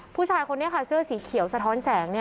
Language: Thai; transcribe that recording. ผู้ชายคนนี้ค่ะเสื้อสีเขียวสะท้อนแสง